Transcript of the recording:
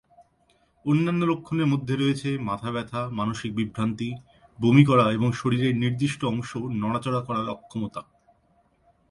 অন্যান্য লক্ষণের মধ্যে রয়েছে, মাথাব্যথা, মানসিক বিভ্রান্তি, বমি করা, এবং শরীরের নির্দিষ্ট অংশ নড়াচড়া করার অক্ষমতা।